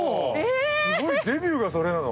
すごいデビューがそれなの？